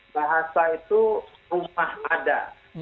bahasa itu rumah ada